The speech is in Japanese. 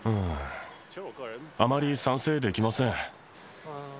あまり賛成できません。